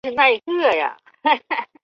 上行月台的候车室配备空调。